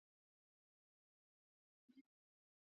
لیاخوف د جبهو د بریا دلیل و خو اوس پوښتنه نه کیږي